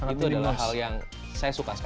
itu adalah hal yang saya suka sekali